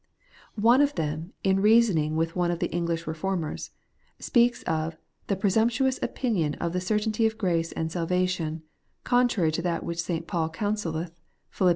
One of them, in reasoning with one of the English Eeformers, speaks of ' the presumptuous opinion of the certainty of grace and salvation, contrary to that which St. Paul counseUeth, PhiL ii.